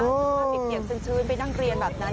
เปียกซึ้นไปนั่งเรียนแบบนั้น